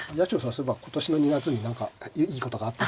そういえば今年の２月に何かいいことがあったって。